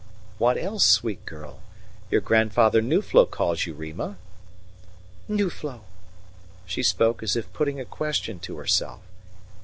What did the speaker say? "What else, sweet girl? Your grandfather Nuflo calls you Rima." "Nuflo?" She spoke as if putting a question to herself.